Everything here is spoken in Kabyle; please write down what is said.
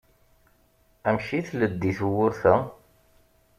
Amek i tleddi tewwurt-a?